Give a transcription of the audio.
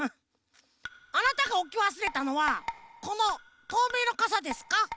あなたがおきわすれたのはこのとうめいのかさですか？